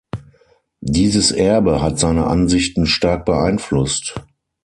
Dieses Erbe hat seine Ansichten stark beeinflusst.